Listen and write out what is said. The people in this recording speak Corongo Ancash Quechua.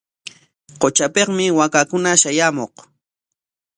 Qutrapikmi waakakuna shayaamuq.